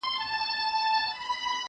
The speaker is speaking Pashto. غل نارې وهي چي غل دی غوغا ګډه ده په کلي٫